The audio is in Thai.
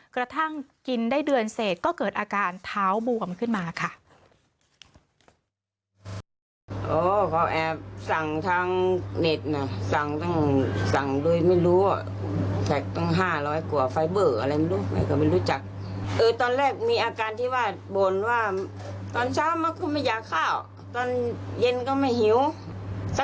กระทั่งกินได้เดือนเสร็จก็เกิดอาการเท้าบวมขึ้นมาค่ะ